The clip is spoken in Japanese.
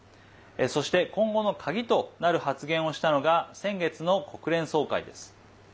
そして、今後の鍵となる発言をしたのが先月の国連総会です。